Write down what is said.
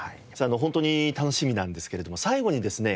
ホントに楽しみなんですけれども最後にですね